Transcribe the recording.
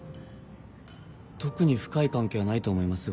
特に深い関係はないと思いますが。